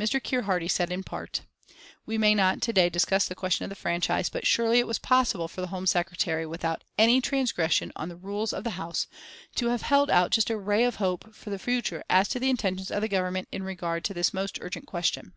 Mr. Keir Hardie said in part: "We may not to day discuss the question of the franchise, but surely it was possible for the Home Secretary, without any transgression on the rules of the House, to have held out just a ray of hope for the future as to the intentions of the Government in regard to this most urgent question.